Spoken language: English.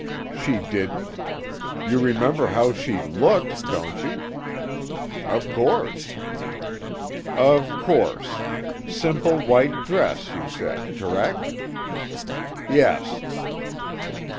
"She didn't? You remember how she looked, don't you?" "Of course." "Of course. Simple white dress, you said correct?" "Yes."